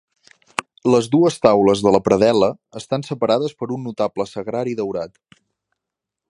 Les dues taules de la predel·la estan separades per un notable sagrari daurat.